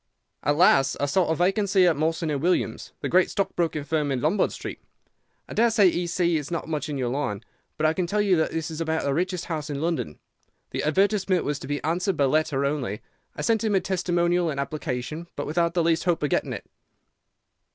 "At last I saw a vacancy at Mawson & Williams', the great stockbroking firm in Lombard Street. I daresay E.C. is not much in your line, but I can tell you that this is about the richest house in London. The advertisement was to be answered by letter only. I sent in my testimonial and application, but without the least hope of getting it.